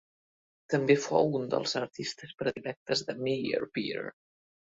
També fou un dels artistes predilectes de Meyerbeer.